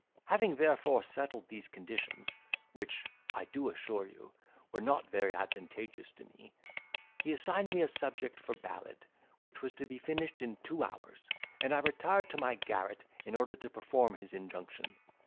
"Having therefore settled these conditions, which (I do assure you) were not very advantageous to me, he assigned me a subject for a ballad, which was to be finished in two hours; and I retired to my garret in order to perform his injunction.